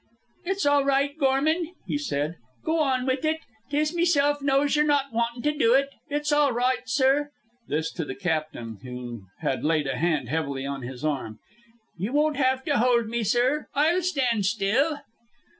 "It's all right, Gorman," he said. "Go on with ut. 'Tis meself knows yer not wantin' to do ut. It's all right, sir" this to the captain, who had laid a hand heavily on his arm. "Ye won't have to hold me, sir. I'll stand still."